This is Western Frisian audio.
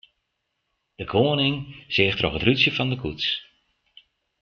De koaning seach troch it rútsje fan de koets.